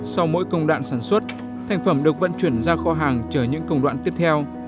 sau mỗi công đoạn sản xuất thành phẩm được vận chuyển ra kho hàng chờ những công đoạn tiếp theo